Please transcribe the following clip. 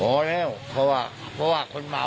พอแล้วเพราะว่าคนเมา